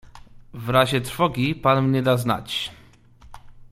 "W razie trwogi pan mnie da znać."